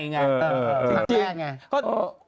ใช่คือครั้งแรกอย่างไร